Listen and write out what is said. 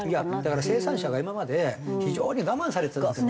だから生産者が今まで非常に我慢されてたんだと思いますね。